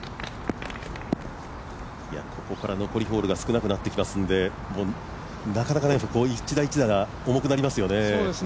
ここから残りホールが少なくなってきますのでもう一打一打が重くなりますよね。